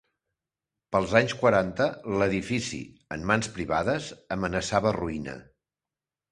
Pels anys quaranta l'edifici -en mans privades- amenaçava ruïna.